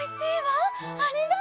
ありがとう。